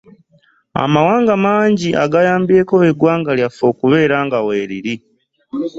Amawanga mangi agayambyeko eggwanga lyaffe okubeera nga weriri.